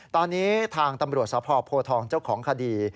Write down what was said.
ตอนนี้ทางตำรวจสพโพทองเจ้าของคดี